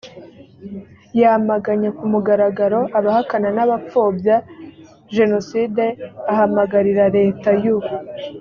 yamaganye kumugaragaro abahakana n abapfobya jenoside ahamagarira leta y u